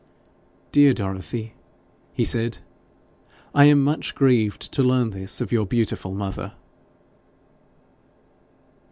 'Dear Dorothy!' he said, 'I am very much grieved to learn this of your beautiful mother.'